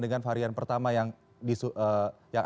dengan varian pertama yang